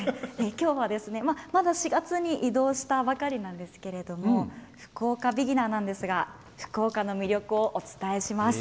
きょうは、まだ４月に異動したばかりなんですけども福岡ビギナーなんですが福岡の魅力をお伝えします。